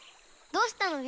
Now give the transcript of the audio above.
どうしたの？